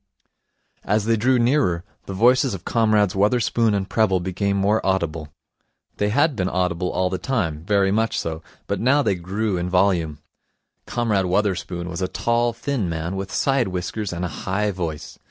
As they drew nearer, the voices of Comrades Wotherspoon and Prebble became more audible. They had been audible all the time, very much so, but now they grew in volume. Comrade Wotherspoon was a tall, thin man with side whiskers and a high voice.